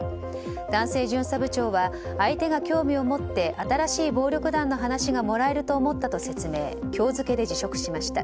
男性巡査部長は相手が興味を持って新しい暴力団の話がもらえると思ったと説明今日付で辞職しました。